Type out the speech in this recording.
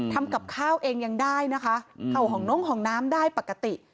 ทำกับข้าวเองยังได้นะคะเข้าของน้องห่องน้ำได้ปกติ